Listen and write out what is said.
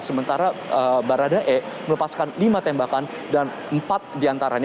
sementara baradae melepaskan lima tembakan dan empat diantaranya